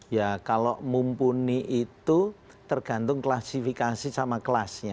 ya kalau mumpuni itu tergantung klasifikasi sama kelasnya